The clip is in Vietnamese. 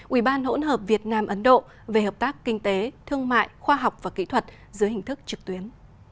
ubhvn ấn độ về hợp tác kinh tế thương mại khoa học và kỹ thuật dưới hình thức trực tuyến